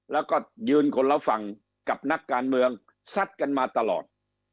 แล้วก็ยืนคนละฝั่งกับนักการเมืองซัดกันมาตลอด